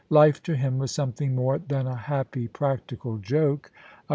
Life to him was something more than a happy practical jol^e, a ANGELA.